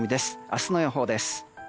明日の予報です。